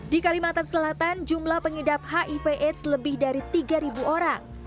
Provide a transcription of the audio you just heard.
di kalimantan selatan jumlah pengidap hiv aids lebih dari tiga orang